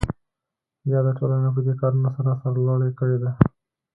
یاده ټولنه پدې کارونو سره سرلوړې کړې ده.